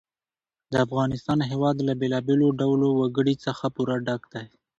د افغانستان هېواد له بېلابېلو ډولو وګړي څخه پوره ډک دی.